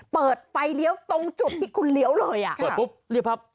เปิดไฟเลี้ยวตรงจุดที่คุณเลี้ยวเลยอ่ะเปิดปุ๊บรีบครับ